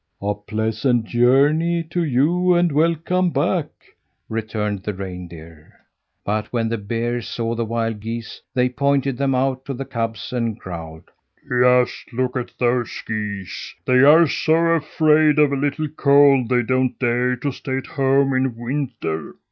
"A pleasant journey to you and a welcome back!" returned the reindeer. But when the bears saw the wild geese, they pointed them out to the cubs and growled: "Just look at those geese; they are so afraid of a little cold they don't dare to stay at home in winter."